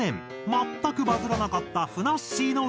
全くバズらなかった『ふなっしーの歌』。